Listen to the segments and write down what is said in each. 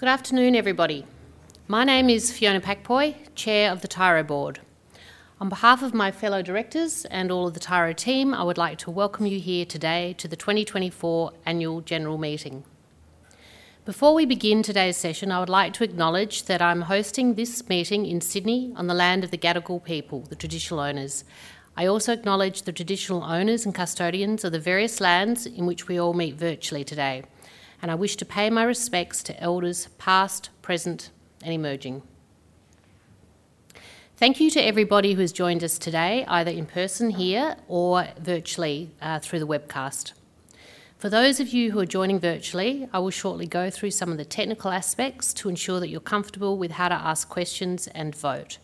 Good afternoon, everybody. My name is Fiona Pak-Poy, Chair of the Tyro Board. On behalf of my fellow directors and all of the Tyro team, I would like to welcome you here today to the 2024 Annual General Meeting. Before we begin today's session, I would like to acknowledge that I'm hosting this meeting in Sydney on the land of the Gadigal people, the Traditional Owners. I also acknowledge the Traditional Owners and Custodians of the various lands in which we all meet virtually today, and I wish to pay my respects to Elders past, present, and emerging. Thank you to everybody who has joined us today, either in person here or virtually through the webcast. For those of you who are joining virtually, I will shortly go through some of the technical aspects to ensure that you're comfortable with how to ask questions and vote.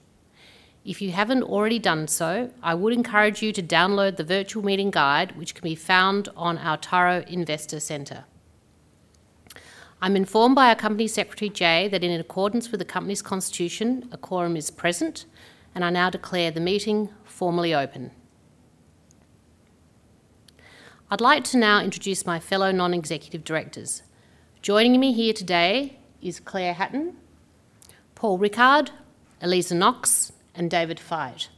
If you haven't already done so, I would encourage you to download the Virtual Meeting Guide, which can be found on our Tyro Investor Centre. I'm informed by our Company Secretary Jay that, in accordance with the Company's Constitution, a quorum is present, and I now declare the meeting formally open. I'd like to now introduce my fellow non-executive directors. Joining me here today is Claire Hatton, Paul Rickard, Aliza Knox, and David Fite.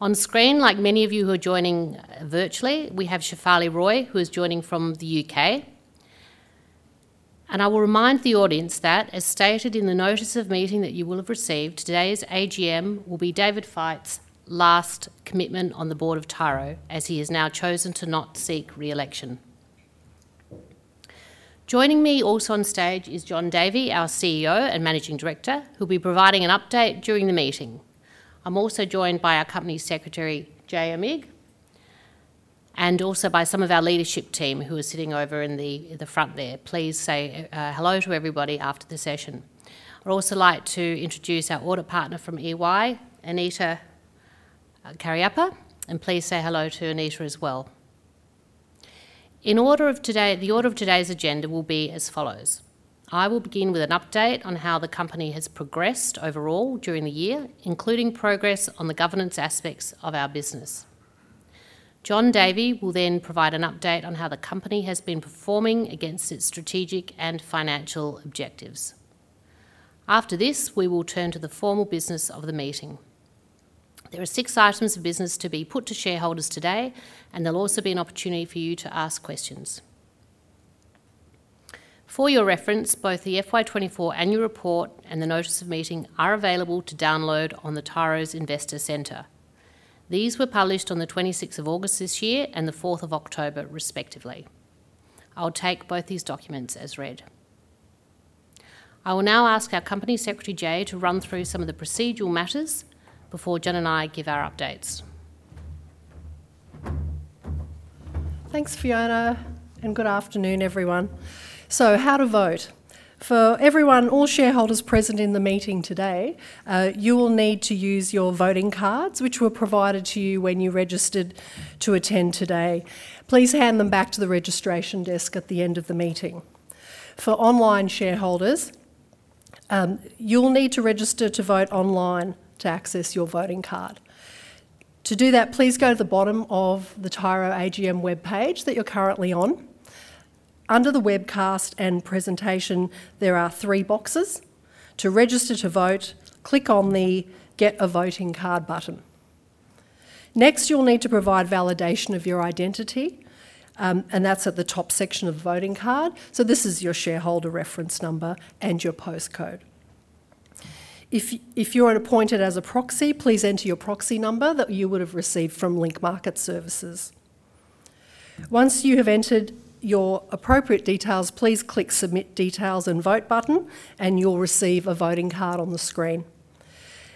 On screen, like many of you who are joining virtually, we have Shefali Roy, who is joining from the UK. And I will remind the audience that, as stated in the notice of meeting that you will have received, today's AGM will be David Fite's last commitment on the Board of Tyro, as he has now chosen to not seek re-election. Joining me also on stage is Jon Davey, our CEO and Managing Director, who will be providing an update during the meeting. I'm also joined by our Company Secretary Jay Amigh and also by some of our leadership team who are sitting over in the front there. Please say hello to everybody after the session. I'd also like to introduce our Audit Partner from EY, Anita Kariyappa, and please say hello to Anita as well. In order of today, the order of today's agenda will be as follows. I will begin with an update on how the Company has progressed overall during the year, including progress on the governance aspects of our business. Jon Davey will then provide an update on how the Company has been performing against its strategic and financial objectives. After this, we will turn to the formal business of the meeting. There are six items of business to be put to shareholders today, and there'll be an opportunity for you to ask questions. For your reference, both the FY24 Annual Report and the Notice of Meeting are available to download on the Tyro's Investor Centre. These were published on the 26th of August this year and the 4th of October, respectively. I'll take both these documents as read. I will now ask our Company Secretary Jay to run through some of the procedural matters before Jon and I give our updates. Thanks, Fiona, and good afternoon, everyone. So how to vote. For everyone, all shareholders present in the meeting today, you will need to use your voting cards, which were provided to you when you registered to attend today. Please hand them back to the registration desk at the end of the meeting. For online shareholders, you'll need to register to vote online to access your voting card. To do that, please go to the bottom of the Tyro AGM web page that you're currently on. Under the webcast and presentation, there are three boxes. To register to vote, click on the Get a Voting Card button. Next, you'll need to provide validation of your identity, and that's at the top section of the voting card. So this is your shareholder reference number and your postcode. If you're appointed as a proxy, please enter your proxy number that you would have received from Link Market Services. Once you have entered your appropriate details, please click Submit Details and Vote button, and you'll receive a voting card on the screen.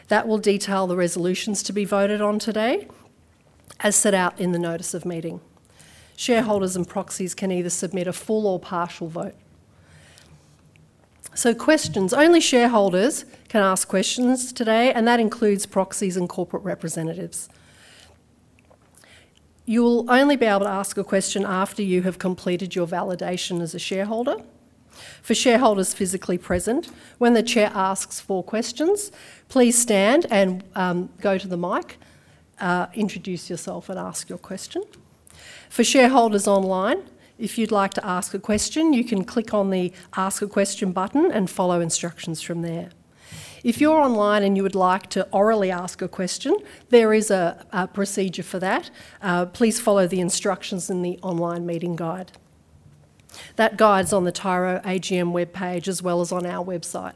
That will detail the resolutions to be voted on today, as set out in the Notice of Meeting. Shareholders and proxies can either submit a full or partial vote. So, questions: only shareholders can ask questions today, and that includes proxies and corporate representatives. You'll only be able to ask a question after you have completed your validation as a shareholder. For shareholders physically present, when the Chair asks for questions, please stand and go to the mic, introduce yourself, and ask your question. For shareholders online, if you'd like to ask a question, you can click on the Ask a Question button and follow instructions from there. If you're online and you would like to orally ask a question, there is a procedure for that. Please follow the instructions in the Online Meeting Guide. That guide's on the Tyro AGM web page as well as on our website.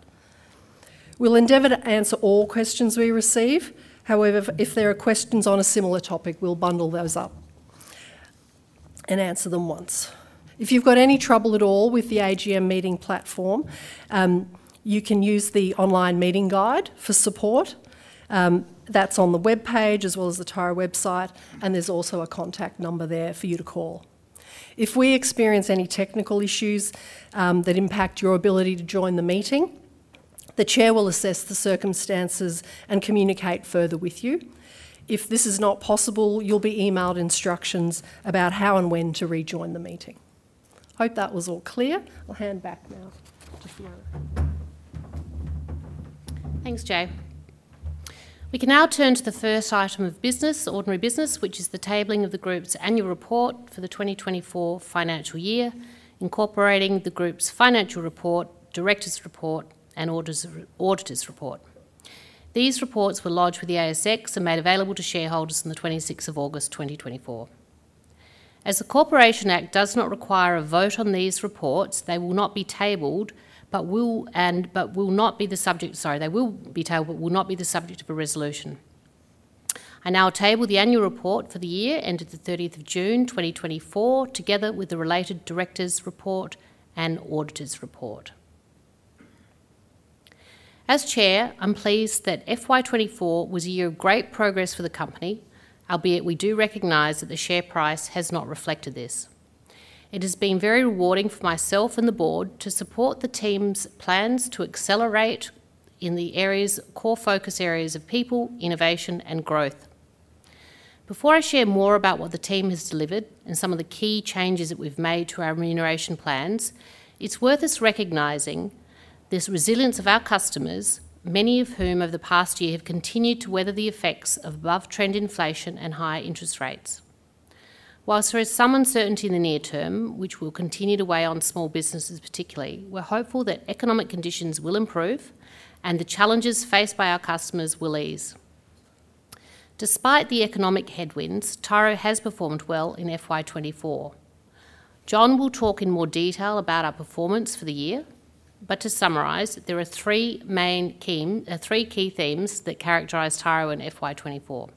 We'll endeavor to answer all questions we receive. However, if there are questions on a similar topic, we'll bundle those up and answer them once. If you've got any trouble at all with the AGM meeting platform, you can use the Online Meeting Guide for support. That's on the web page as well as the Tyro website, and there's also a contact number there for you to call. If we experience any technical issues that impact your ability to join the meeting, the Chair will assess the circumstances and communicate further with you. If this is not possible, you'll be emailed instructions about how and when to rejoin the meeting. Hope that was all clear. I'll hand back now to Fiona. Thanks, Jay. We can now turn to the first item of business, ordinary business, which is the tabling of the Group's Annual Report for the 2024 financial year, incorporating the Group's Financial Report, Directors' Report, and Auditor's Report. These reports were lodged with the ASX and made available to shareholders on the 26th of August, 2024. As the Corporations Act does not require a vote on these reports, they will not be tabled, but will not be the subject, sorry, they will be tabled, but will not be the subject of a resolution. I now table the Annual Report for the year ended the 30th of June, 2024, together with the related Directors' Report and Auditor's Report. As Chair, I'm pleased that FY24 was a year of great progress for the Company, albeit we do recognise that the share price has not reflected this. It has been very rewarding for myself and the Board to support the team's plans to accelerate in the areas, core focus areas of people, innovation, and growth. Before I share more about what the team has delivered and some of the key changes that we've made to our remuneration plans, it's worth us recognizing this resilience of our customers, many of whom over the past year have continued to weather the effects of above-trend inflation and high interest rates. While there is some uncertainty in the near term, which will continue to weigh on small businesses particularly, we're hopeful that economic conditions will improve and the challenges faced by our customers will ease. Despite the economic headwinds, Tyro has performed well in FY24. Jon will talk in more detail about our performance for the year, but to summarise, there are three main key themes that characterise Tyro in FY24.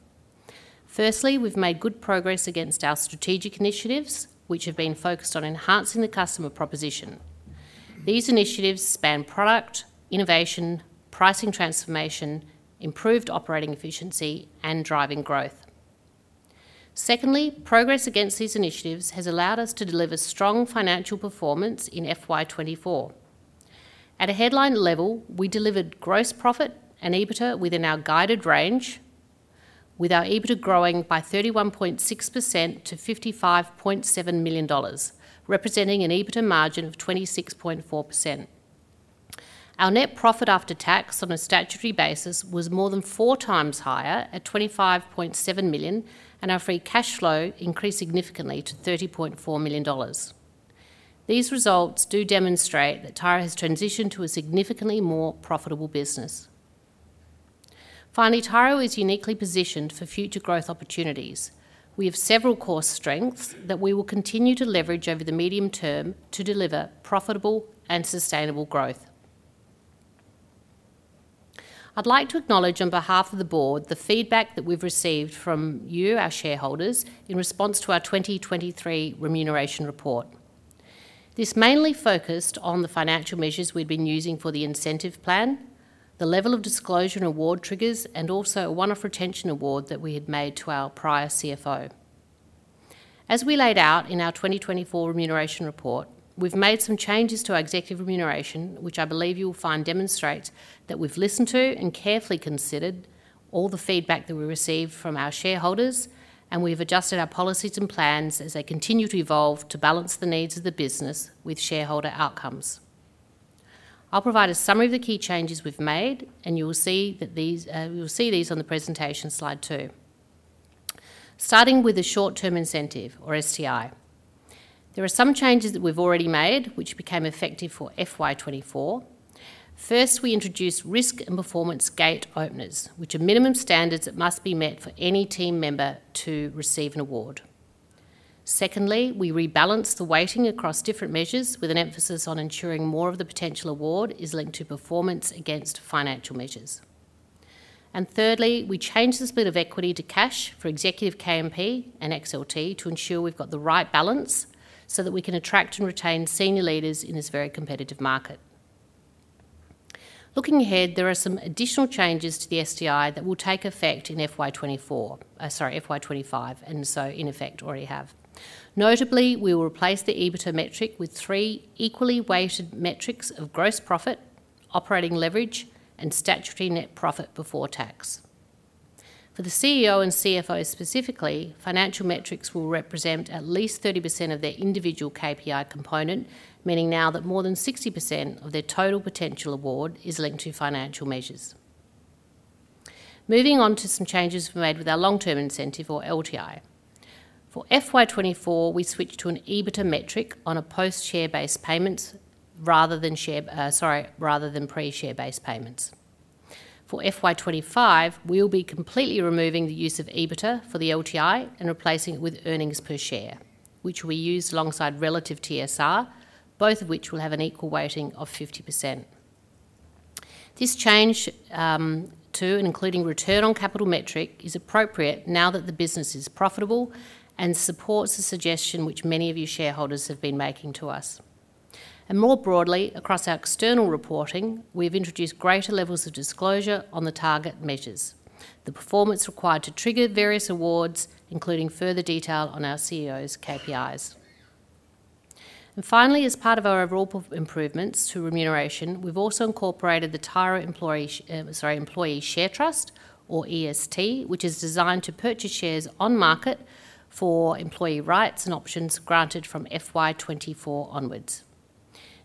Firstly, we've made good progress against our strategic initiatives, which have been focused on enhancing the customer proposition. These initiatives span product, innovation, pricing transformation, improved operating efficiency, and driving growth. Secondly, progress against these initiatives has allowed us to deliver strong financial performance in FY24. At a headline level, we delivered gross profit and EBITDA within our guided range, with our EBITDA growing by 31.6% to AUD 55.7 million, representing an EBITDA margin of 26.4%. Our net profit after tax on a statutory basis was more than four times higher at 25.7 million, and our free cash flow increased significantly to 30.4 million dollars. These results do demonstrate that Tyro has transitioned to a significantly more profitable business. Finally, Tyro is uniquely positioned for future growth opportunities. We have several core strengths that we will continue to leverage over the medium term to deliver profitable and sustainable growth. I'd like to acknowledge on behalf of the Board the feedback that we've received from you, our shareholders, in response to our 2023 Remuneration report. This mainly focused on the financial measures we'd been using for the Incentive Plan, the level of disclosure and award triggers, and also a one-off retention award that we had made to our prior CFO. As we laid out in our 2024 Remuneration report, we've made some changes to our executive remuneration, which I believe you will find demonstrate that we've listened to and carefully considered all the feedback that we received from our shareholders, and we've adjusted our policies and plans as they continue to evolve to balance the needs of the business with shareholder outcomes. I'll provide a summary of the key changes we've made, and you'll see these on the presentation slide too. Starting with the short-term incentive, or STI. There are some changes that we've already made, which became effective for FY24. First, we introduced risk and performance gate openers, which are minimum standards that must be met for any team member to receive an award. Secondly, we rebalanced the weighting across different measures with an emphasis on ensuring more of the potential award is linked to performance against financial measures. And thirdly, we changed the split of equity to cash for executive KMP and LTI to ensure we've got the right balance so that we can attract and retain senior leaders in this very competitive market. Looking ahead, there are some additional changes to the STI that will take effect in FY24, sorry, FY25, and so in effect already have. Notably, we will replace the EBITDA metric with three equally weighted metrics of gross profit, operating leverage, and statutory net profit before tax. For the CEO and CFO specifically, financial metrics will represent at least 30% of their individual KPI component, meaning now that more than 60% of their total potential award is linked to financial measures. Moving on to some changes we made with our long-term incentive, or LTI. For FY24, we switched to an EBITDA metric on a post-share-based payments rather than pre-share-based payments. For FY25, we'll be completely removing the use of EBITDA for the LTI and replacing it with earnings per share, which we use alongside relative TSR, both of which will have an equal weighting of 50%. This change to including return on capital metric is appropriate now that the business is profitable and supports the suggestion which many of you shareholders have been making to us. And more broadly, across our external reporting, we've introduced greater levels of disclosure on the target measures, the performance required to trigger various awards, including further detail on our CEO's KPIs, and finally, as part of our overall improvements to remuneration, we've also incorporated the Tyro Employee Share Trust, or EST, which is designed to purchase shares on market for employee rights and options granted from FY24 onwards.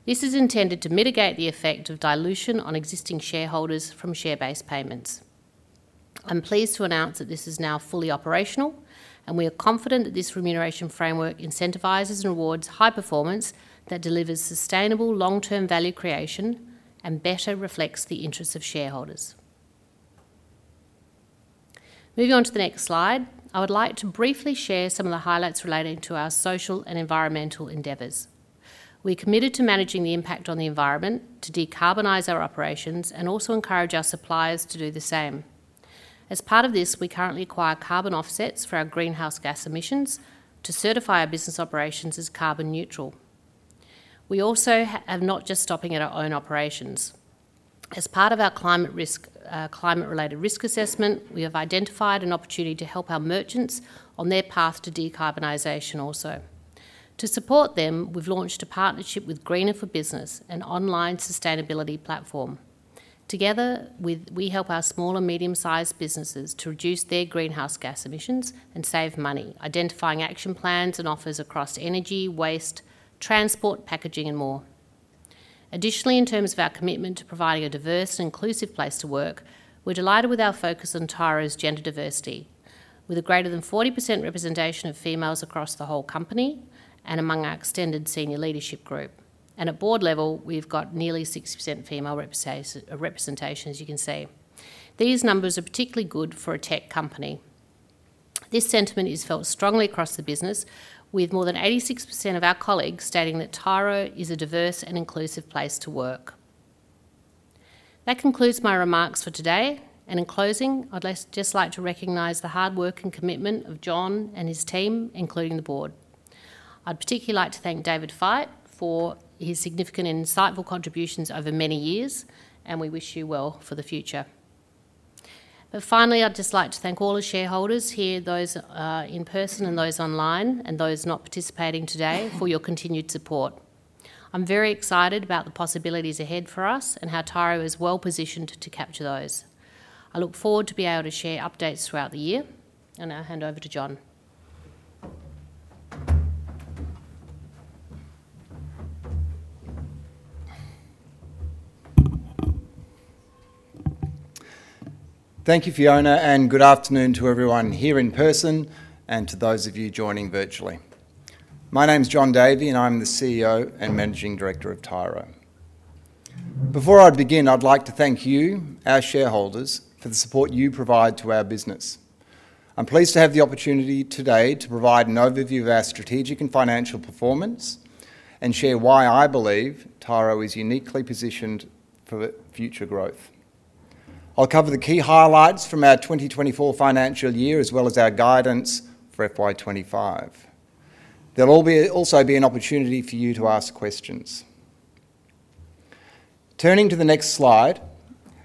This is intended to mitigate the effect of dilution on existing shareholders from share-based payments. I'm pleased to announce that this is now fully operational, and we are confident that this remuneration framework incentivises and rewards high performance that delivers sustainable long-term value creation and better reflects the interests of shareholders. Moving on to the next slide, I would like to briefly share some of the highlights relating to our social and environmental endeavours. We're committed to managing the impact on the environment to decarbonize our operations and also encourage our suppliers to do the same. As part of this, we currently acquire carbon offsets for our greenhouse gas emissions to certify our business operations as carbon neutral. We also are not just stopping at our own operations. As part of our climate-related risk assessment, we have identified an opportunity to help our merchants on their path to decarbonization also. To support them, we've launched a partnership with Greener for Business, an online sustainability platform. Together, we help our small and medium-sized businesses to reduce their greenhouse gas emissions and save money, identifying action plans and offers across energy, waste, transport, packaging, and more. Additionally, in terms of our commitment to providing a diverse and inclusive place to work, we're delighted with our focus on Tyro's gender diversity, with a greater than 40% representation of females across the whole company and among our extended senior leadership group, and at board level, we've got nearly 60% female representation, as you can see. These numbers are particularly good for a tech company. This sentiment is felt strongly across the business, with more than 86% of our colleagues stating that Tyro is a diverse and inclusive place to work. That concludes my remarks for today, and in closing, I'd just like to recognize the hard work and commitment of Jon and his team, including the Board. I'd particularly like to thank David Fite for his significant and insightful contributions over many years, and we wish you well for the future. But finally, I'd just like to thank all the shareholders here, those in person and those online and those not participating today, for your continued support. I'm very excited about the possibilities ahead for us and how Tyro is well positioned to capture those. I look forward to being able to share updates throughout the year, and I'll hand over to Jon. Thank you, Fiona, and good afternoon to everyone here in person and to those of you joining virtually. My name's Jon Davey, and I'm the CEO and Managing Director of Tyro. Before I begin, I'd like to thank you, our shareholders, for the support you provide to our business. I'm pleased to have the opportunity today to provide an overview of our strategic and financial performance and share why I believe Tyro is uniquely positioned for future growth. I'll cover the key highlights from our 2024 financial year as well as our guidance for FY25. There'll also be an opportunity for you to ask questions. Turning to the next slide,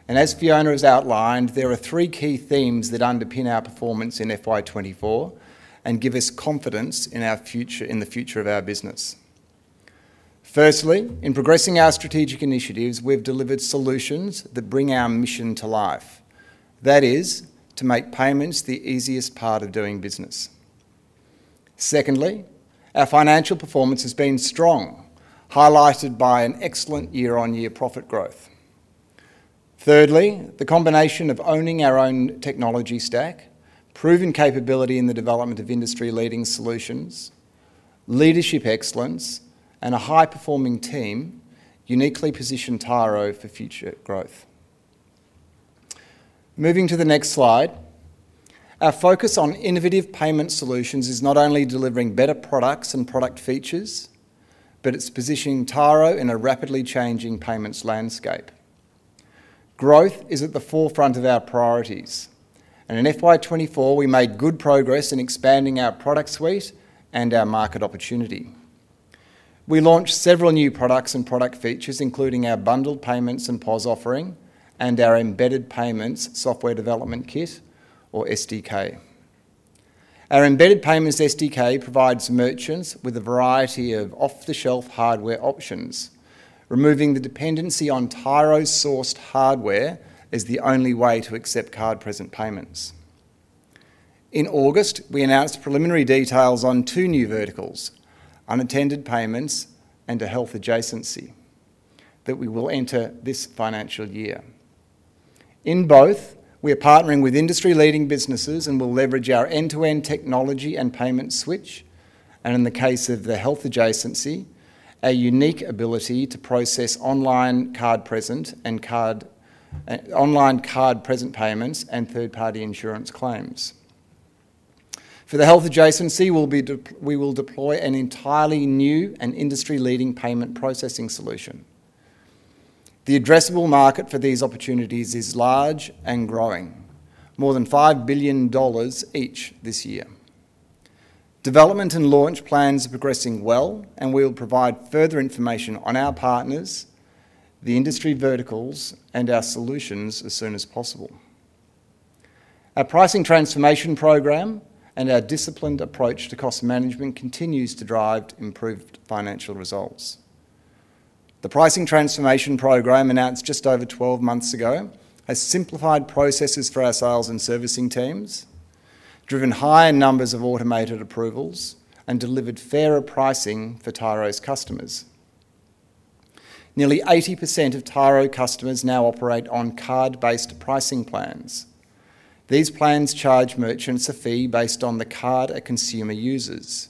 and as Fiona has outlined, there are three key themes that underpin our performance in FY24 and give us confidence in the future of our business. Firstly, in progressing our strategic initiatives, we've delivered solutions that bring our mission to life. That is, to make payments the easiest part of doing business. Secondly, our financial performance has been strong, highlighted by an excellent year-on-year profit growth. Thirdly, the combination of owning our own technology stack, proven capability in the development of industry-leading solutions, leadership excellence, and a high-performing team uniquely position Tyro for future growth. Moving to the next slide, our focus on innovative payment solutions is not only delivering better products and product features, but it's positioning Tyro in a rapidly changing payments landscape. Growth is at the forefront of our priorities, and in FY24, we made good progress in expanding our product suite and our market opportunity. We launched several new products and product features, including our bundled payments and POS offering and our embedded payments software development kit, or SDK. Our embedded payments SDK provides merchants with a variety of off-the-shelf hardware options, removing the dependency on Tyro-sourced hardware as the only way to accept card-present payments. In August, we announced preliminary details on two new verticals, unattended payments and a health adjacency, that we will enter this financial year. In both, we are partnering with industry-leading businesses and will leverage our end-to-end technology and payment switch, and in the case of the health adjacency, a unique ability to process online card-present payments and third-party insurance claims. For the health adjacency, we will deploy an entirely new and industry-leading payment processing solution. The addressable market for these opportunities is large and growing, more than 5 billion dollars each this year. Development and launch plans are progressing well, and we'll provide further information on our partners, the industry verticals, and our solutions as soon as possible. Our pricing transformation program and our disciplined approach to cost management continues to drive improved financial results. The pricing transformation program announced just over 12 months ago has simplified processes for our sales and servicing teams, driven higher numbers of automated approvals, and delivered fairer pricing for Tyro's customers. Nearly 80% of Tyro customers now operate on card-based pricing plans. These plans charge merchants a fee based on the card a consumer uses.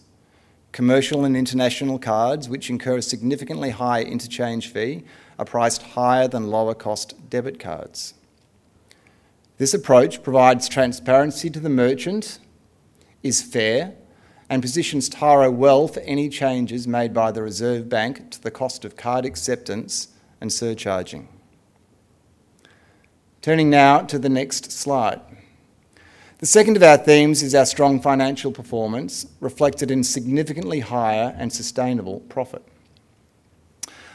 Commercial and international cards, which incur a significantly higher interchange fee, are priced higher than lower-cost debit cards. This approach provides transparency to the merchant, is fair, and positions Tyro well for any changes made by the Reserve Bank to the cost of card acceptance and surcharging. Turning now to the next slide. The second of our themes is our strong financial performance reflected in significantly higher and sustainable profit.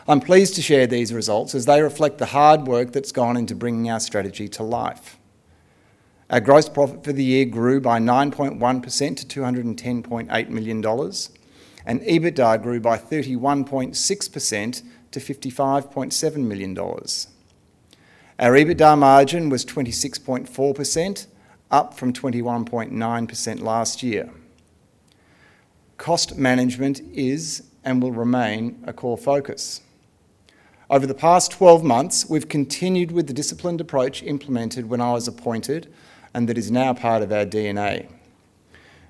I'm pleased to share these results as they reflect the hard work that's gone into bringing our strategy to life. Our gross profit for the year grew by 9.1% to 210.8 million dollars, and EBITDA grew by 31.6% to 55.7 million dollars. Our EBITDA margin was 26.4%, up from 21.9% last year. Cost management is and will remain a core focus. Over the past 12 months, we've continued with the disciplined approach implemented when I was appointed and that is now part of our DNA.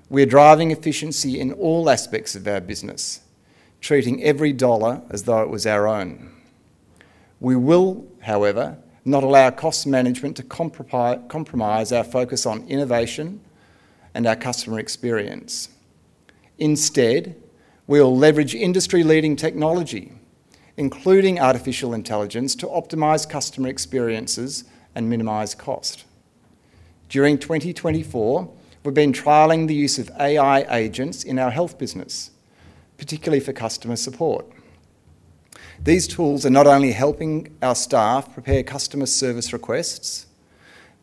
We are driving efficiency in all aspects of our business, treating every dollar as though it was our own. We will, however, not allow cost management to compromise our focus on innovation and our customer experience. Instead, we'll leverage industry-leading technology, including artificial intelligence, to optimize customer experiences and minimize cost. During 2024, we've been trialing the use of AI agents in our health business, particularly for customer support. These tools are not only helping our staff prepare customer service requests,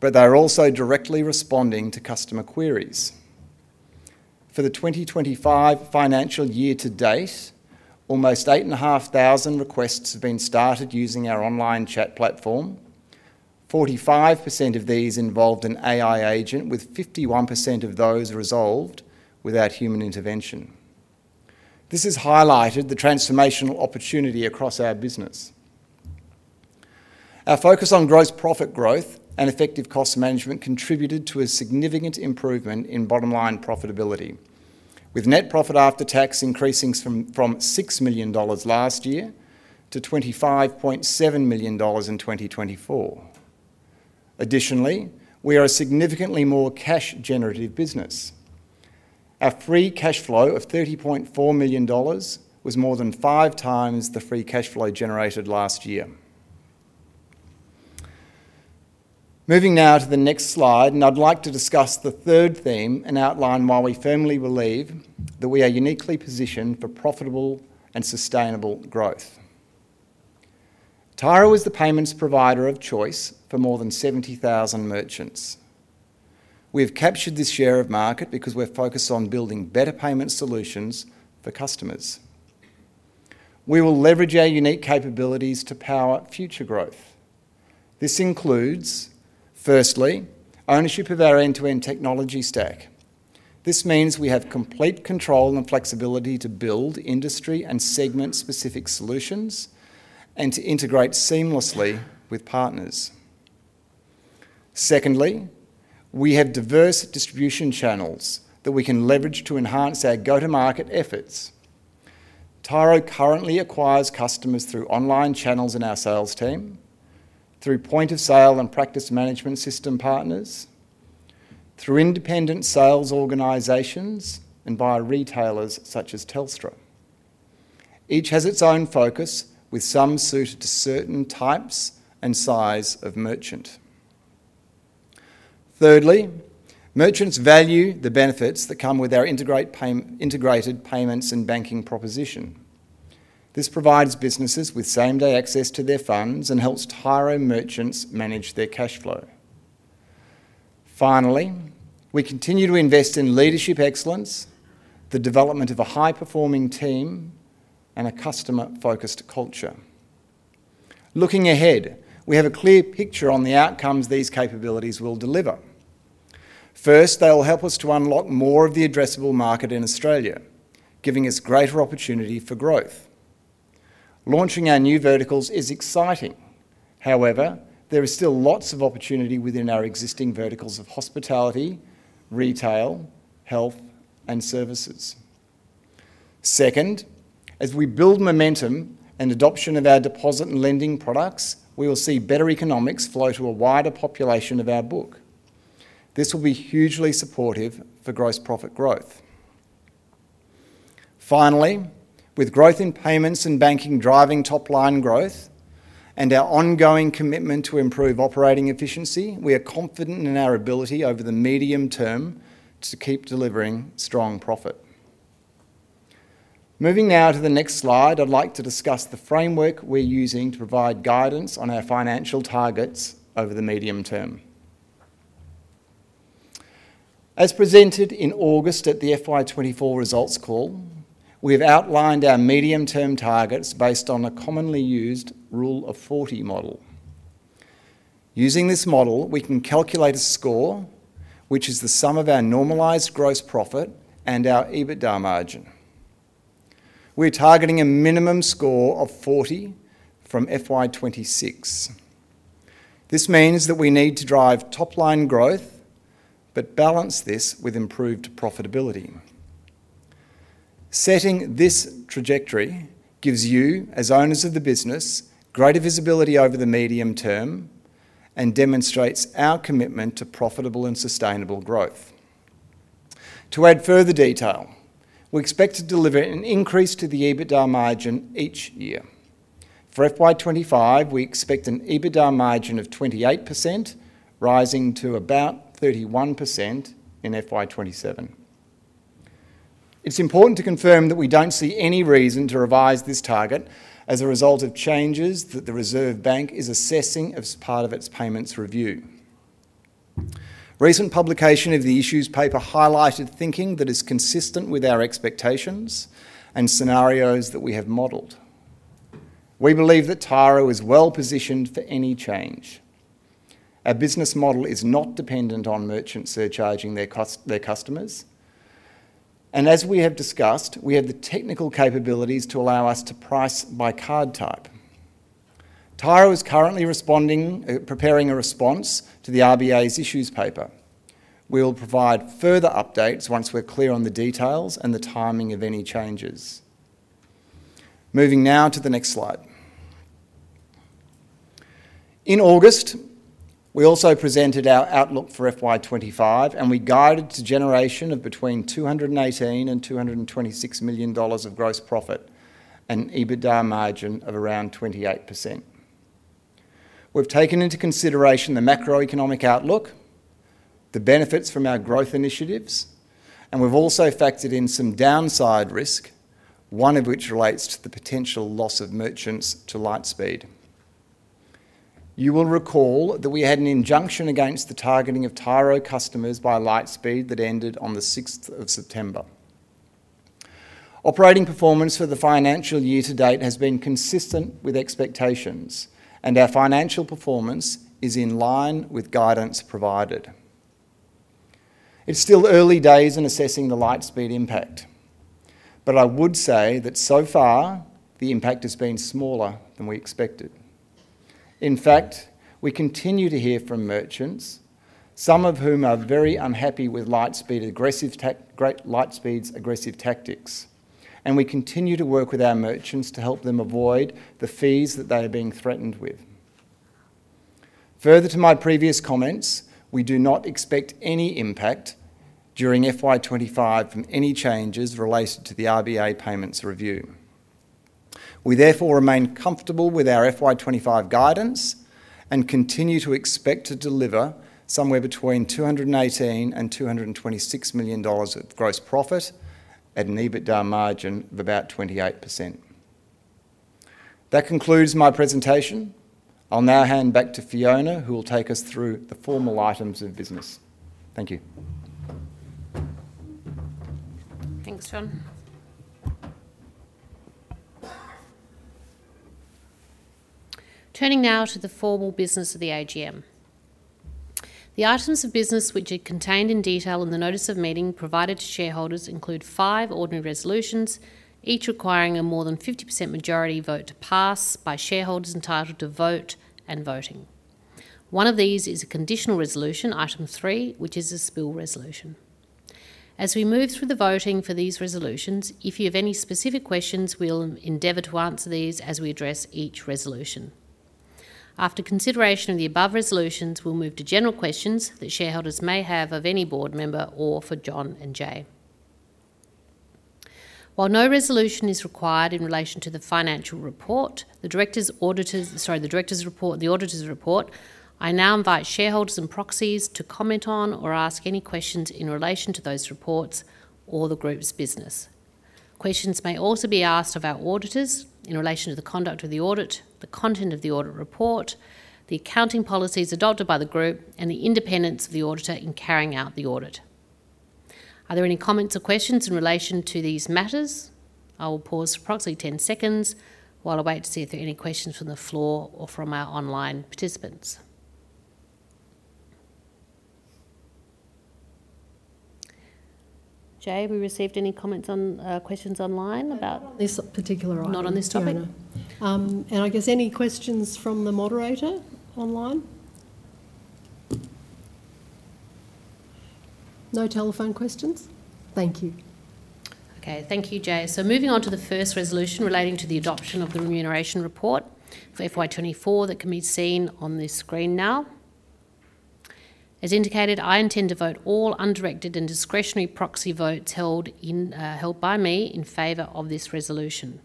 but they're also directly responding to customer queries. For the 2025 financial year to date, almost 8,500 requests have been started using our online chat platform. 45% of these involved an AI agent, with 51% of those resolved without human intervention. This has highlighted the transformational opportunity across our business. Our focus on gross profit growth and effective cost management contributed to a significant improvement in bottom-line profitability, with net profit after tax increasing from 6 million dollars last year to 25.7 million dollars in 2024. Additionally, we are a significantly more cash-generative business. Our free cash flow of 30.4 million dollars was more than five times the free cash flow generated last year. Moving now to the next slide, and I'd like to discuss the third theme and outline why we firmly believe that we are uniquely positioned for profitable and sustainable growth. Tyro is the payments provider of choice for more than 70,000 merchants. We have captured this share of market because we're focused on building better payment solutions for customers. We will leverage our unique capabilities to power future growth. This includes, firstly, ownership of our end-to-end technology stack. This means we have complete control and flexibility to build industry and segment-specific solutions and to integrate seamlessly with partners. Secondly, we have diverse distribution channels that we can leverage to enhance our go-to-market efforts. Tyro currently acquires customers through online channels in our sales team, through point-of-sale and practice management system partners, through independent sales organizations, and by retailers such as Telstra. Each has its own focus, with some suited to certain types and size of merchant. Thirdly, merchants value the benefits that come with our integrated payments and banking proposition. This provides businesses with same-day access to their funds and helps Tyro merchants manage their cash flow. Finally, we continue to invest in leadership excellence, the development of a high-performing team, and a customer-focused culture. Looking ahead, we have a clear picture on the outcomes these capabilities will deliver. First, they'll help us to unlock more of the addressable market in Australia, giving us greater opportunity for growth. Launching our new verticals is exciting. However, there is still lots of opportunity within our existing verticals of hospitality, retail, health, and services. Second, as we build momentum and adoption of our deposit and lending products, we will see better economics flow to a wider population of our book. This will be hugely supportive for gross profit growth. Finally, with growth in payments and banking driving top-line growth and our ongoing commitment to improve operating efficiency, we are confident in our ability over the medium term to keep delivering strong profit. Moving now to the next slide, I'd like to discuss the framework we're using to provide guidance on our financial targets over the medium term. As presented in August at the FY24 results call, we have outlined our medium-term targets based on a commonly used Rule of 40 model. Using this model, we can calculate a score, which is the sum of our normalized gross profit and our EBITDA margin. We're targeting a minimum score of 40 from FY26. This means that we need to drive top-line growth but balance this with improved profitability. Setting this trajectory gives you, as owners of the business, greater visibility over the medium term and demonstrates our commitment to profitable and sustainable growth. To add further detail, we expect to deliver an increase to the EBITDA margin each year. For FY25, we expect an EBITDA margin of 28%, rising to about 31% in FY27. It's important to confirm that we don't see any reason to revise this target as a result of changes that the Reserve Bank is assessing as part of its payments review. Recent publication of the issues paper highlighted thinking that is consistent with our expectations and scenarios that we have modelled. We believe that Tyro is well-positioned for any change. Our business model is not dependent on merchants surcharging their customers. And as we have discussed, we have the technical capabilities to allow us to price by card type. Tyro is currently preparing a response to the RBA's issues paper. We will provide further updates once we're clear on the details and the timing of any changes. Moving now to the next slide. In August, we also presented our outlook for FY25, and we guided the generation of between 218 million and 226 million dollars of gross profit and EBITDA margin of around 28%. We've taken into consideration the macroeconomic outlook, the benefits from our growth initiatives, and we've also factored in some downside risk, one of which relates to the potential loss of merchants to Lightspeed. You will recall that we had an injunction against the targeting of Tyro customers by Lightspeed that ended on the 6th of September. Operating performance for the financial year to date has been consistent with expectations, and our financial performance is in line with guidance provided. It's still early days in assessing the Lightspeed impact, but I would say that so far, the impact has been smaller than we expected. In fact, we continue to hear from merchants, some of whom are very unhappy with Lightspeed's aggressive tactics, and we continue to work with our merchants to help them avoid the fees that they are being threatened with. Further to my previous comments, we do not expect any impact during FY25 from any changes related to the RBA payments review. We therefore remain comfortable with our FY25 guidance and continue to expect to deliver somewhere between 218 million and 226 million dollars of gross profit at an EBITDA margin of about 28%. That concludes my presentation. I'll now hand back to Fiona, who will take us through the formal items of business. Thank you. Thanks, Jon. Turning now to the formal business of the AGM. The items of business which are contained in detail in the notice of meeting provided to shareholders include five ordinary resolutions, each requiring a more than 50% majority vote to pass by shareholders entitled to vote and voting. One of these is a conditional resolution, item three, which is a spill resolution. As we move through the voting for these resolutions, if you have any specific questions, we'll endeavor to answer these as we address each resolution. After consideration of the above resolutions, we'll move to general questions that shareholders may have of any board member or for Jon and Jay. While no resolution is required in relation to the financial report, the director's report, the auditor's report. I now invite shareholders and proxies to comment on or ask any questions in relation to those reports or the group's business. Questions may also be asked of our auditors in relation to the conduct of the audit, the content of the audit report, the accounting policies adopted by the group, and the independence of the auditor in carrying out the audit. Are there any comments or questions in relation to these matters? I will pause for approximately 10 seconds while I wait to see if there are any questions from the floor or from our online participants. Jay, have we received any comments on questions online about? Not on this particular item. Not on this topic? No. And I guess any questions from the moderator online? No telephone questions? Thank you. Okay. Thank you, Jay. So moving on to the first resolution relating to the adoption of the Remuneration report for FY24 that can be seen on this screen now. As indicated, I intend to vote all undirected and discretionary proxy votes held by me in favor of this resolution.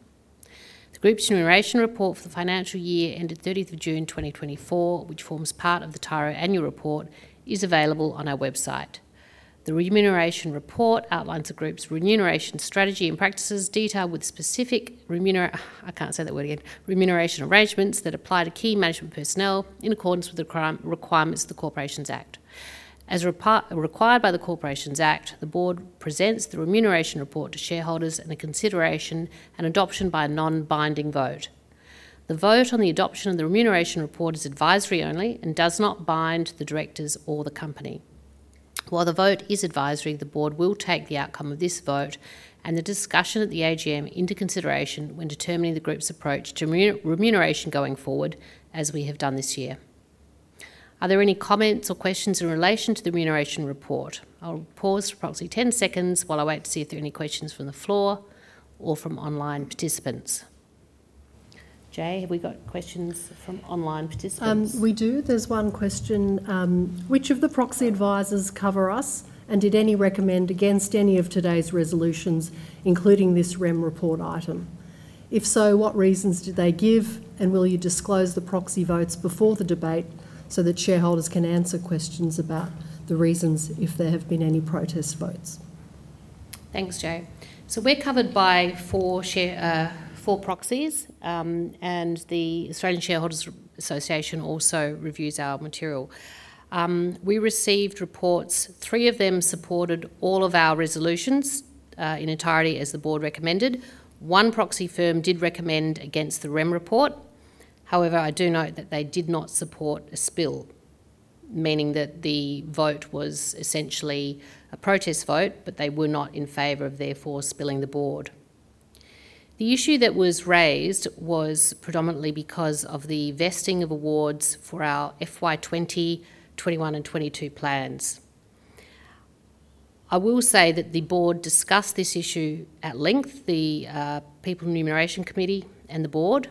The group's Remuneration report for the financial year ended 30th of June 2024, which forms part of the Tyro Annual Report, is available on our website. The remuneration report outlines the group's remuneration strategy and practices detailed with specific remuneration—I can't say that word again—remuneration arrangements that apply to key management personnel in accordance with the requirements of the Corporations Act. As required by the Corporations Act, the board presents the remuneration report to shareholders and the consideration and adoption by a non-binding vote. The vote on the adoption of the remuneration report is advisory only and does not bind the directors or the company. While the vote is advisory, the board will take the outcome of this vote and the discussion at the AGM into consideration when determining the group's approach to remuneration going forward, as we have done this year. Are there any comments or questions in relation to the remuneration report? I'll pause for approximately 10 seconds while I wait to see if there are any questions from the floor or from online participants. Jay, have we got questions from online participants? We do. There's one question. Which of the proxy advisors cover us, and did any recommend against any of today's resolutions, including this remuneration report item? If so, what reasons did they give, and will you disclose the proxy votes before the debate so that shareholders can answer questions about the reasons if there have been any protest votes? Thanks, Jay. So we're covered by four proxies, and the Australian Shareholders Association also reviews our material. We received reports. Three of them supported all of our resolutions in entirety as the board recommended. One proxy firm did recommend against the remuneration report. However, I do note that they did not support a spill, meaning that the vote was essentially a protest vote, but they were not in favour of, therefore, spilling the board. The issue that was raised was predominantly because of the vesting of awards for our FY20, '21, and '22 plans. I will say that the board discussed this issue at length, the People Remuneration Committee and the board.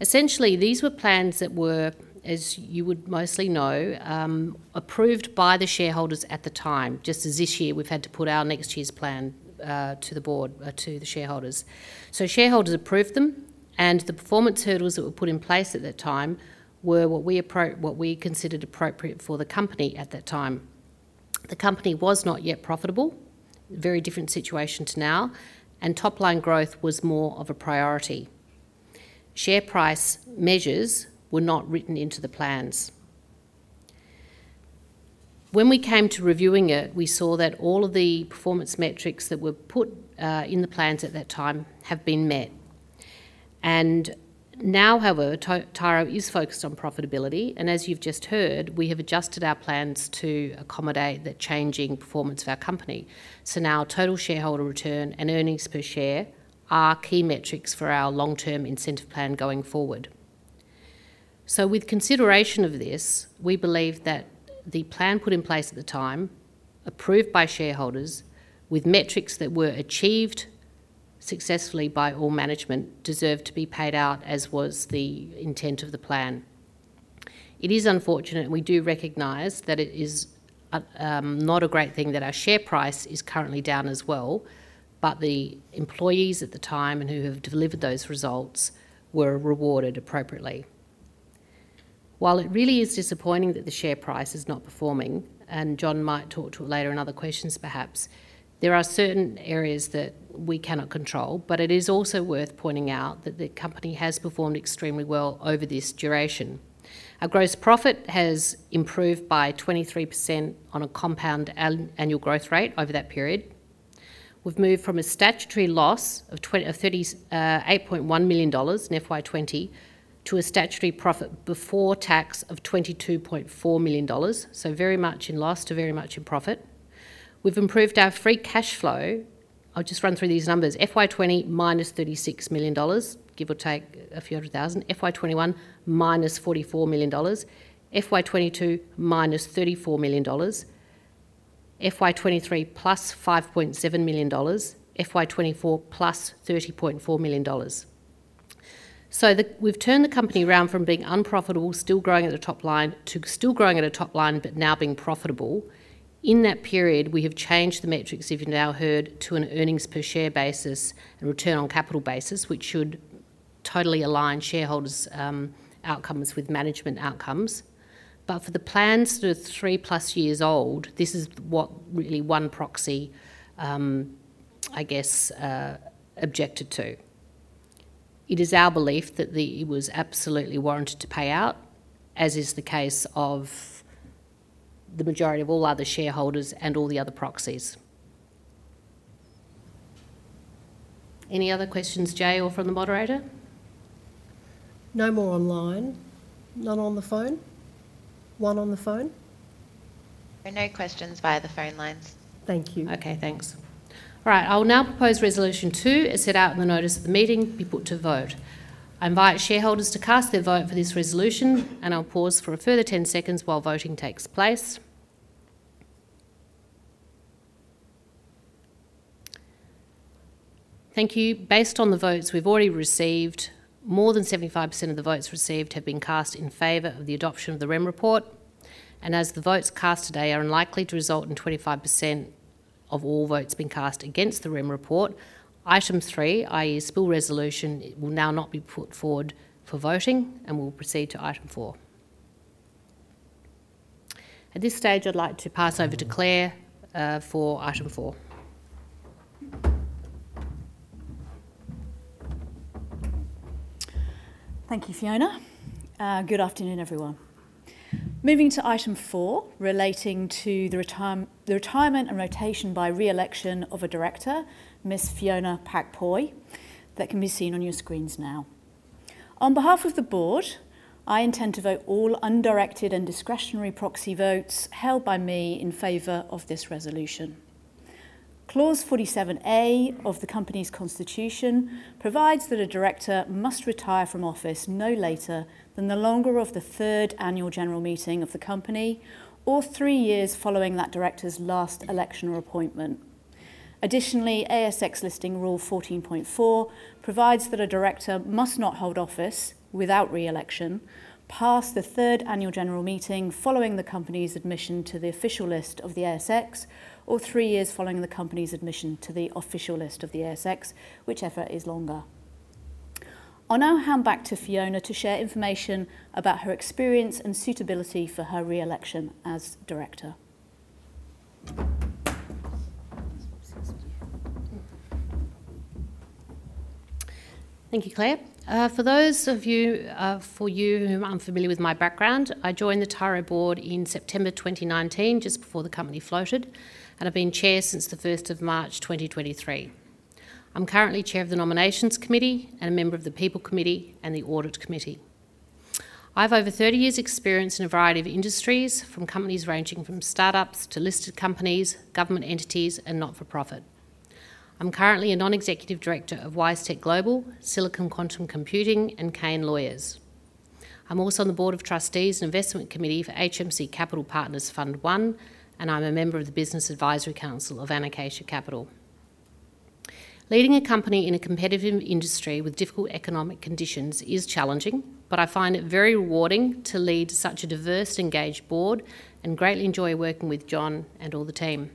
Essentially, these were plans that were, as you would mostly know, approved by the shareholders at the time, just as this year we've had to put our next year's plan to the board to the shareholders. Shareholders approved them, and the performance hurdles that were put in place at that time were what we considered appropriate for the company at that time. The company was not yet profitable, a very different situation to now, and top-line growth was more of a priority. Share price measures were not written into the plans. When we came to reviewing it, we saw that all of the performance metrics that were put in the plans at that time have been met. And now, however, Tyro is focused on profitability, and as you've just heard, we have adjusted our plans to accommodate the changing performance of our company. So now total shareholder return and earnings per share are key metrics for our long-term incentive plan going forward. So with consideration of this, we believe that the plan put in place at the time, approved by shareholders with metrics that were achieved successfully by all management, deserved to be paid out, as was the intent of the plan. It is unfortunate, and we do recognize that it is not a great thing that our share price is currently down as well, but the employees at the time who have delivered those results were rewarded appropriately. While it really is disappointing that the share price is not performing, and Jon might talk to it later in other questions perhaps, there are certain areas that we cannot control, but it is also worth pointing out that the company has performed extremely well over this duration. Our gross profit has improved by 23% on a compound annual growth rate over that period. We've moved from a statutory loss of 8.1 million dollars in FY20 to a statutory profit before tax of 22.4 million dollars, so very much in loss to very much in profit. We've improved our free cash flow. I'll just run through these numbers. FY20, minus 36 million dollars, give or take a few hundred thousand. FY21, minus 44 million dollars. FY22, minus 34 million dollars. FY23, plus 5.7 million dollars. FY24, plus 30.4 million dollars. So we've turned the company around from being unprofitable, still growing at the top line, to still growing at a top line but now being profitable. In that period, we have changed the metrics, as you've now heard, to an earnings per share basis and return on capital basis, which should totally align shareholders' outcomes with management outcomes. But for the plans that are three plus years old, this is what really one proxy, I guess, objected to. It is our belief that it was absolutely warranted to pay out, as is the case of the majority of all other shareholders and all the other proxies. Any other questions, Jay, or from the moderator? No more online. None on the phone? One on the phone? No questions via the phone lines. Thank you. Okay, thanks. All right. I will now propose Resolution 2 as set out in the notice of the meeting be put to vote. I invite shareholders to cast their vote for this resolution, and I'll pause for a further 10 seconds while voting takes place. Thank you. Based on the votes we've already received, more than 75% of the votes received have been cast in favor of the adoption of the Remuneration Report. And as the votes cast today are unlikely to result in 25% of all votes being cast against the Remuneration Report, item three, i.e., spill resolution, will now not be put forward for voting and will proceed to item four. At this stage, I'd like to pass over to Claire for item four. Thank you, Fiona. Good afternoon, everyone. Moving to item four relating to the retirement and rotation by re-election of a director, Ms. Fiona Pak-Poy, that can be seen on your screens now. On behalf of the board, I intend to vote all undirected and discretionary proxy votes held by me in favor of this resolution. Clause 47A of the company's constitution provides that a director must retire from office no later than the longer of the third annual general meeting of the company or three years following that director's last election or appointment. Additionally, ASX Listing Rule14.4 provides that a director must not hold office without re-election past the third annual general meeting following the company's admission to the official list of the ASX or three years following the company's admission to the official list of the ASX, whichever is longer. I'll now hand back to Fiona to share information about her experience and suitability for her re-election as director. Thank you, Claire. For those of you who aren't familiar with my background, I joined the Tyro board in September 2019, just before the company floated, and I've been chair since the 1st of March 2023. I'm currently chair of the Nominations Committee and a member of the People Committee and the Audit Committee. I have over 30 years' experience in a variety of industries, from companies ranging from startups to listed companies, government entities, and not-for-profit. I'm currently a non-executive director of WiseTech Global, Silicon Quantum Computing, and Kain Lawyers. I'm also on the board of trustees and investment committee for HMC Capital Fund 1, and I'm a member of the business advisory council of Anacacia Capital. Leading a company in a competitive industry with difficult economic conditions is challenging, but I find it very rewarding to lead such a diverse, engaged board and greatly enjoy working with John and all the team.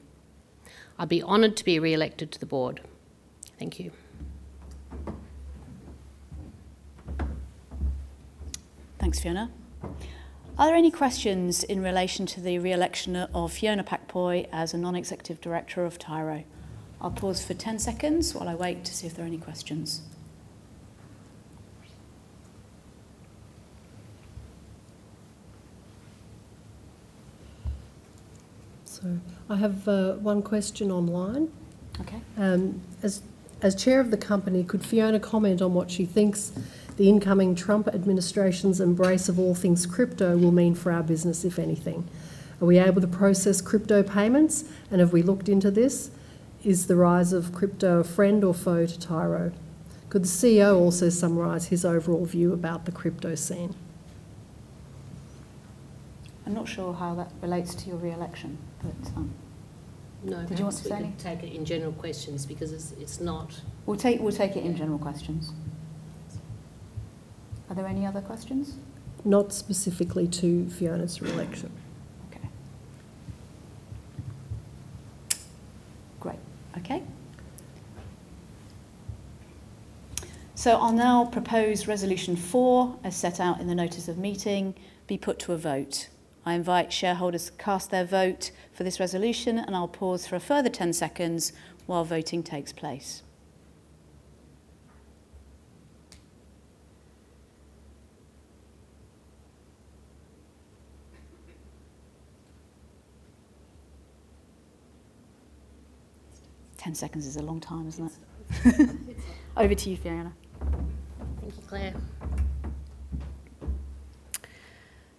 I'd be honored to be re-elected to the board. Thank you. Thanks, Fiona. Are there any questions in relation to the re-election of Fiona Pak-Poy as a non-executive director of Tyro? I'll pause for 10 seconds while I wait to see if there are any questions. So I have one question online. Okay. As chair of the company, could Fiona comment on what she thinks the incoming Trump administration's embrace of all things crypto will mean for our business, if anything? Are we able to process crypto payments, and have we looked into this? Is the rise of crypto a friend or foe to TYRO? Could the CEO also summarise his overall view about the crypto scene? I'm not sure how that relates to your re-election, but. No. Did you want to say anything? Take it in general questions because it's not. We'll take it in general questions. Are there any other questions? Not specifically to Fiona's re-election. Okay. Great. Okay. So I'll now propose Resolution 4 as set out in the notice of meeting be put to a vote. I invite shareholders to cast their vote for this resolution, and I'll pause for a further 10 seconds while voting takes place. 10 seconds is a long time, isn't it? Over to you, Fiona. Thank you, Claire.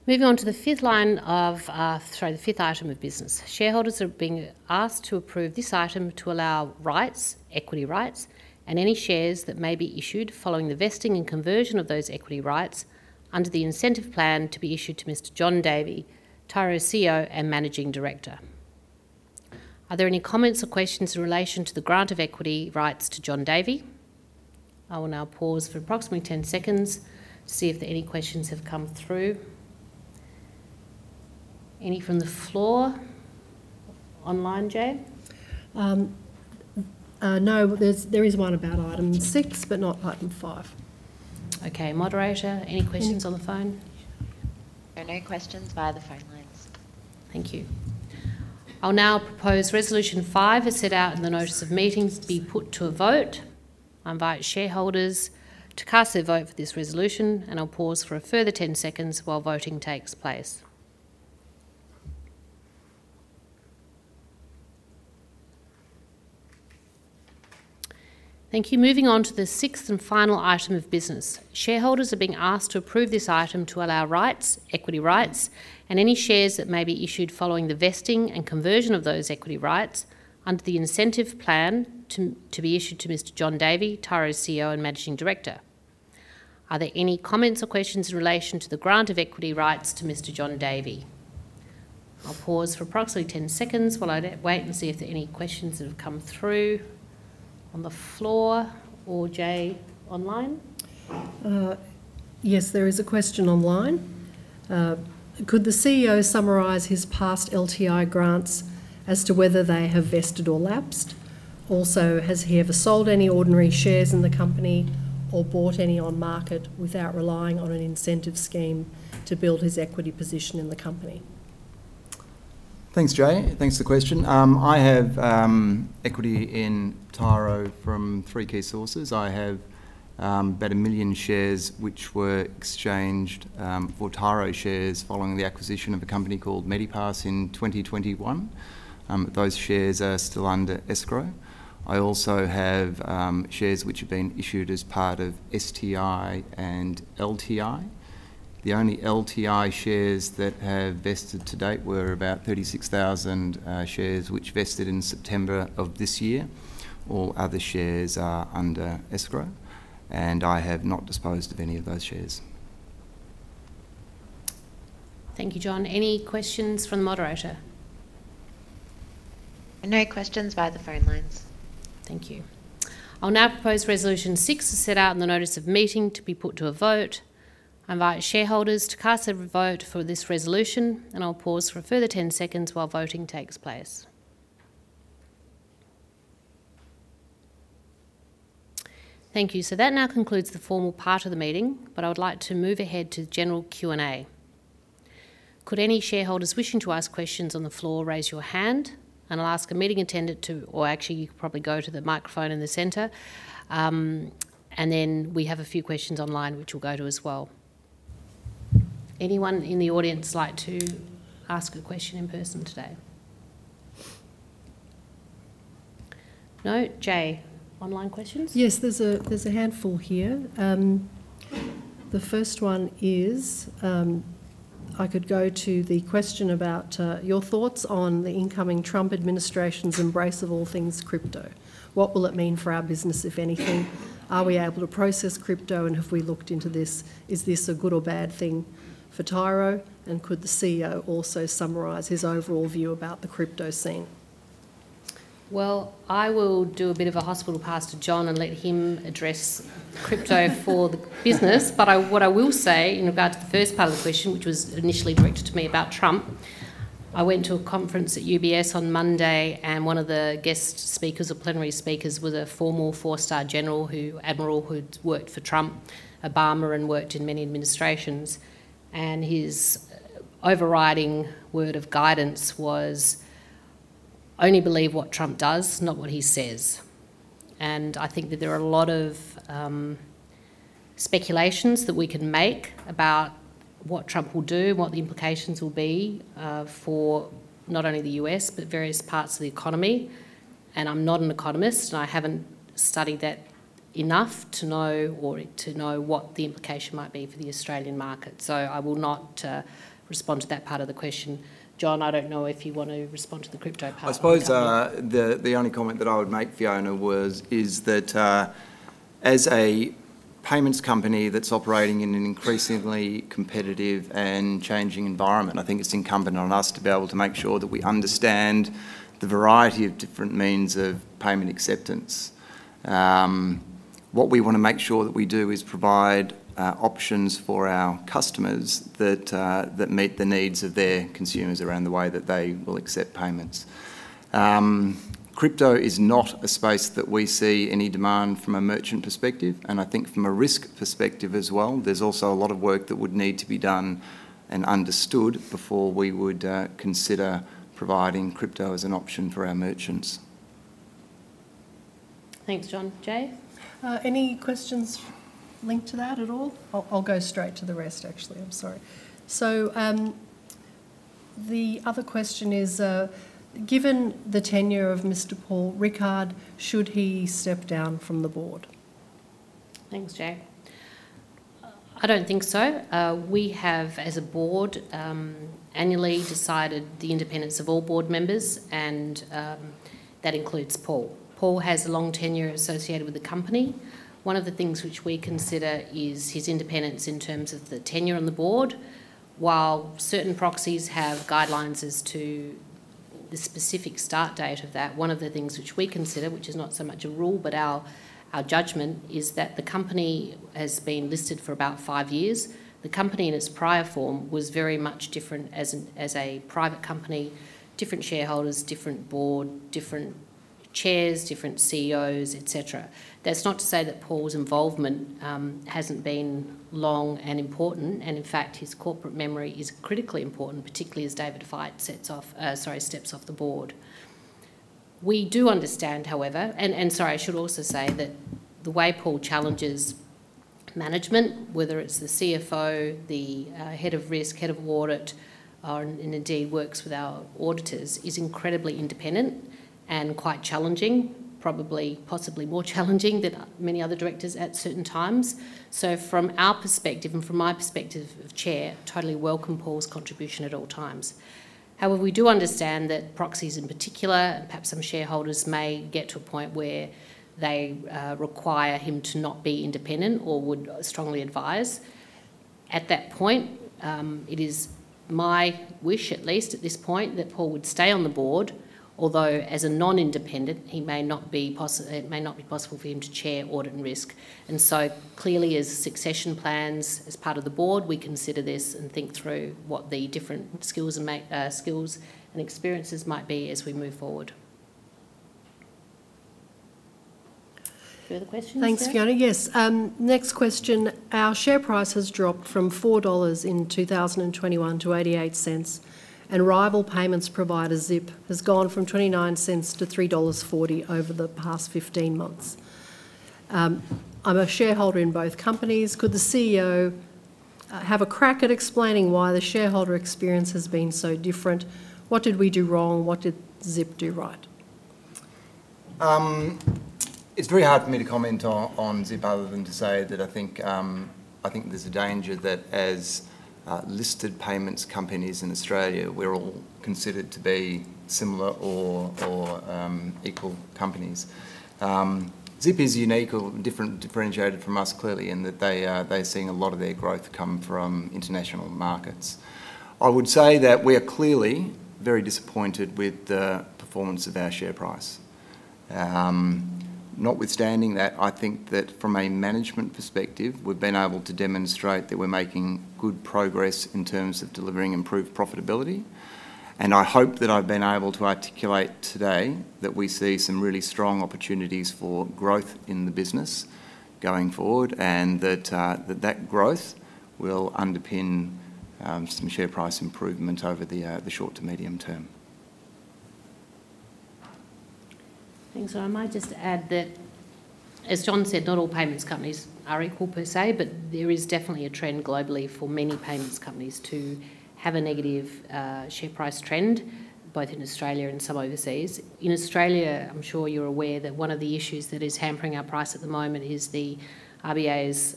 Moving on to the fifth line of sorry, the fifth item of business. Shareholders are being asked to approve this item to allow rights, equity rights, and any shares that may be issued following the vesting and conversion of those equity rights under the incentive plan to be issued to Mr. Jon Davey, Tyro's CEO and Managing Director. Are there any comments or questions in relation to the grant of equity rights to Jon Davey?I will now pause for approximately 10 seconds to see if there are any questions that have come through. Any from the floor online, Jay? No, there is one about item six, but not item five. Okay. Moderator, any questions on the phone? There are no questions via the phone lines. Thank you. I'll now propose Resolution 5 as set out in the notice of meeting be put to a vote. I invite shareholders to cast their vote for this resolution, and I'll pause for a further 10 seconds while voting takes place. Thank you. Moving on to the sixth and final item of business. Shareholders are being asked to approve this item to allow rights, equity rights, and any shares that may be issued following the vesting and conversion of those equity rights under the incentive plan to be issued to Mr. Jon Davey, Tyro's CEO and Managing Director. Are there any comments or questions in relation to the grant of equity rights to Mr. Jon Davey? I'll pause for approximately 10 seconds while I wait and see if there are any questions that have come through on the floor or Jay online. Yes, there is a question online. Could the CEO summarise his past LTI grants as to whether they have vested or lapsed? Also, has he ever sold any ordinary shares in the company or bought any on market without relying on an incentive scheme to build his equity position in the company? Thanks, Jay. Thanks for the question. I have equity in Tyro from three key sources. I have about a million shares which were exchanged for Tyro shares following the acquisition of a company called Medipass in 2021. Those shares are still under escrow. I also have shares which have been issued as part of STI and LTI. The only LTI shares that have vested to date were about 36,000 shares which vested in September of this year. All other shares are under escrow, and I have not disposed of any of those shares. Thank you, Jon. Any questions from the moderator? No questions via the phone lines. Thank you. I'll now propose Resolution 6 as set out in the notice of meeting to be put to a vote. I invite shareholders to cast their vote for this resolution, and I'll pause for a further 10 seconds while voting takes place. Thank you. So that now concludes the formal part of the meeting, but I would like to move ahead to general Q&A. Could any shareholders wishing to ask questions on the floor raise your hand? And I'll ask a meeting attendant to, or actually, you could probably go to the microphone in the center, and then we have a few questions online which we'll go to as well. Anyone in the audience like to ask a question in person today? No? Jay, online questions? Yes, there's a handful here. The first one is, I could go to the question about your thoughts on the incoming Trump administration's embrace of all things crypto. What will it mean for our business, if anything? Are we able to process crypto, and have we looked into this? Is this a good or bad thing for Tyro? And could the CEO also summarise his overall view about the crypto scene? I will do a bit of a hospital pass to Jon and let him address crypto for the business. But what I will say in regard to the first part of the question, which was initially directed to me about Trump, I went to a conference at UBS on Monday, and one of the guest speakers, or plenary speakers, was a former four-star general who was an admiral who'd worked for Trump, and had worked in many administrations. And his overriding word of guidance was, "Only believe what Trump does, not what he says." And I think that there are a lot of speculations that we can make about what Trump will do and what the implications will be for not only the U.S. but various parts of the economy. I'm not an economist, and I haven't studied that enough to know what the implication might be for the Australian market. I will not respond to that part of the question. Jon, I don't know if you want to respond to the crypto part of the question. I suppose the only comment that I would make, Fiona, was that as a payments company that's operating in an increasingly competitive and changing environment, I think it's incumbent on us to be able to make sure that we understand the variety of different means of payment acceptance. What we want to make sure that we do is provide options for our customers that meet the needs of their consumers around the way that they will accept payments. Crypto is not a space that we see any demand from a merchant perspective, and I think from a risk perspective as well. There's also a lot of work that would need to be done and understood before we would consider providing crypto as an option for our merchants. Thanks, Jon. Jay? Any questions linked to that at all? I'll go straight to the rest, actually. I'm sorry. So the other question is, given the tenure of Mr. Paul Rickard, should he step down from the board? Thanks, Jay. I don't think so. We have, as a board, annually decided the independence of all board members, and that includes Paul. Paul has a long tenure associated with the company. One of the things which we consider is his independence in terms of the tenure on the board. While certain proxies have guidelines as to the specific start date of that, one of the things which we consider, which is not so much a rule but our judgment, is that the company has been listed for about five years. The company in its prior form was very much different as a private company, different shareholders, different board, different chairs, different CEOs, etc. That's not to say that Paul's involvement hasn't been long and important, and in fact, his corporate memory is critically important, particularly as David Fite steps off the board. We do understand, however, and sorry, I should also say that the way Paul challenges management, whether it's the CFO, the head of risk, head of audit, and indeed works with our auditors, is incredibly independent and quite challenging, probably possibly more challenging than many other directors at certain times. So from our perspective and from my perspective of chair, totally welcome Paul's contribution at all times. However, we do understand that proxies in particular, and perhaps some shareholders, may get to a point where they require him to not be independent or would strongly advise. At that point, it is my wish, at least at this point, that Paul would stay on the board, although as a non-independent, it may not be possible for him to chair, Audit, and Risk and so clearly, as succession plans, as part of the board, we consider this and think through what the different skills and experiences might be as we move forward. Further questions? Thanks, Fiona. Yes. Next question. Our share price has dropped from 4 dollars in 2021 to 0.88, and rival payments provider Zip has gone from 0.29 to 3.40 dollars over the past 15 months. I'm a shareholder in both companies. Could the CEO have a crack at explaining why the shareholder experience has been so different? What did we do wrong? What did Zip do right? It's very hard for me to comment on Zip other than to say that I think there's a danger that as listed payments companies in Australia, we're all considered to be similar or equal companies. Zip is unique or differentiated from us clearly in that they are seeing a lot of their growth come from international markets. I would say that we are clearly very disappointed with the performance of our share price. Notwithstanding that, I think that from a management perspective, we've been able to demonstrate that we're making good progress in terms of delivering improved profitability, and I hope that I've been able to articulate today that we see some really strong opportunities for growth in the business going forward and that that growth will underpin some share price improvement over the short to medium term. Thanks, John. I might just add that, as John said, not all payments companies are equal per se, but there is definitely a trend globally for many payments companies to have a negative share price trend, both in Australia and some overseas. In Australia, I'm sure you're aware that one of the issues that is hampering our price at the moment is the RBA's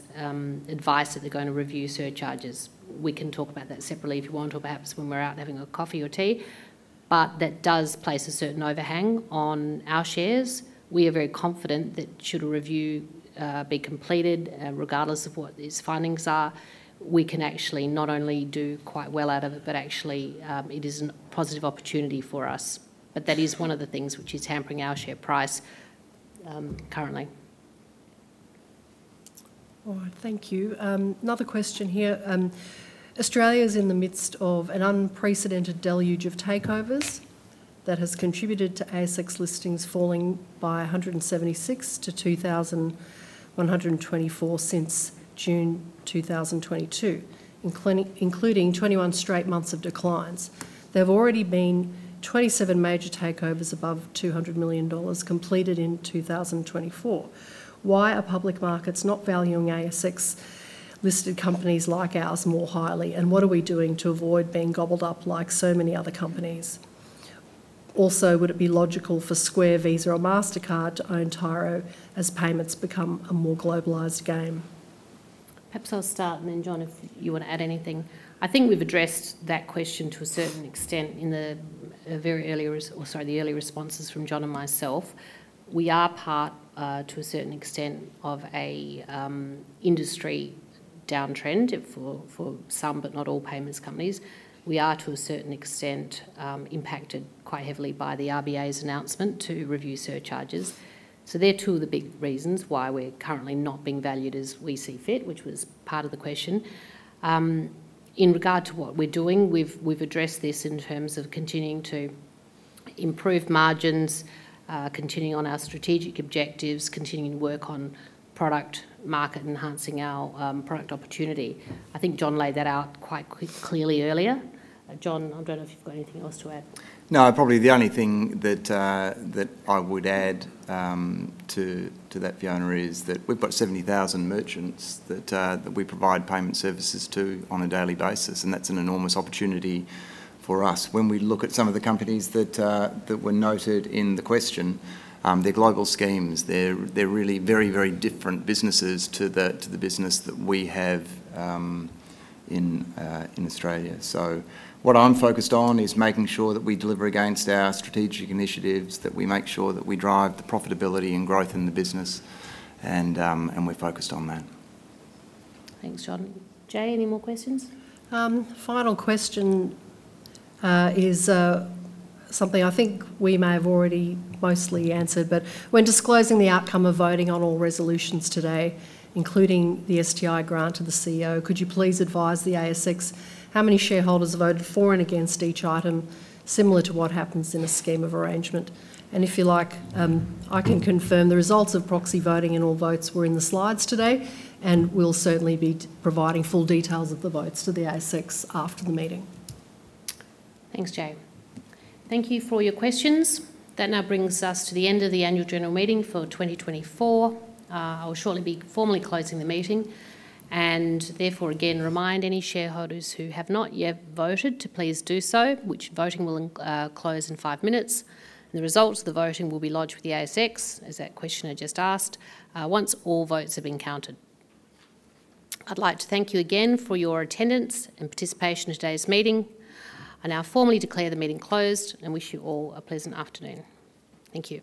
advice that they're going to review surcharges. We can talk about that separately if you want or perhaps when we're out having a coffee or tea. But that does place a certain overhang on our shares. We are very confident that should a review be completed, regardless of what these findings are, we can actually not only do quite well out of it, but actually it is a positive opportunity for us. But that is one of the things which is hampering our share price currently. All right. Thank you. Another question here. Australia is in the midst of an unprecedented deluge of takeovers that has contributed to ASX listings falling by 176 to 2,124 since June 2022, including 21 straight months of declines. There have already been 27 major takeovers above 200 million dollars completed in 2024. Why are public markets not valuing ASX-listed companies like ours more highly, and what are we doing to avoid being gobbled up like so many other companies? Also, would it be logical for Square, Visa, or Mastercard to own Tyro as payments become a more globalized game? Perhaps I'll start, and then Jon, if you want to add anything. I think we've addressed that question to a certain extent in the earlier responses from Jon and myself. We are part, to a certain extent, of an industry downtrend for some, but not all payments companies. We are, to a certain extent, impacted quite heavily by the RBA's announcement to review surcharges. So they're two of the big reasons why we're currently not being valued as we see fit, which was part of the question. In regard to what we're doing, we've addressed this in terms of continuing to improve margins, continuing on our strategic objectives, continuing to work on product market, enhancing our product opportunity. I think Jon laid that out quite clearly earlier. Jon, I don't know if you've got anything else to add. No, probably the only thing that I would add to that, Fiona, is that we've got 70,000 merchants that we provide payment services to on a daily basis, and that's an enormous opportunity for us. When we look at some of the companies that were noted in the question, they're global schemes. They're really very, very different businesses to the business that we have in Australia. So what I'm focused on is making sure that we deliver against our strategic initiatives, that we make sure that we drive the profitability and growth in the business, and we're focused on that. Thanks, Jon. Jay, any more questions? Final question is something I think we may have already mostly answered, but when disclosing the outcome of voting on all resolutions today, including the STI grant to the CEO, could you please advise the ASIC how many shareholders voted for and against each item, Similar to what happens in a scheme of arrangement? And if you like, I can confirm the results of proxy voting and all votes were in the slides today, and we'll certainly be providing full details of the votes to the ASIC after the meeting. Thanks, Jay. Thank you for your questions. That now brings us to the end of the Annual General Meeting for 2024. I'll shortly be formally closing the meeting, and therefore, again, remind any shareholders who have not yet voted to please do so, which voting will close in five minutes, and the results of the voting will be lodged with the ASX, as that questioner just asked, once all votes have been counted. I'd like to thank you again for your attendance and participation in today's meeting. I now formally declare the meeting closed and wish you all a pleasant afternoon. Thank you.